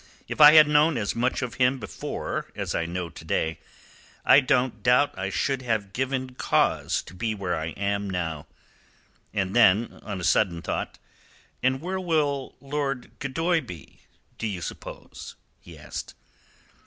If I had known as much of him before as I know to day, I don't doubt I should have given cause to be where I am now." And then on a sudden thought: "And where will Lord Gildoy be, do you suppose?" he asked.